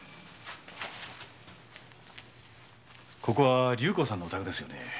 ここは龍虎さんのお宅ですよね。